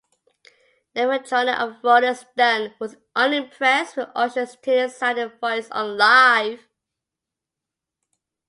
Neva Chonin of "Rolling Stone" was unimpressed with Usher's "tinny"-sounding voice on "Live".